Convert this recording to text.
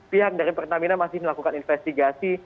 pihak dari pertamina masih melakukan investigasi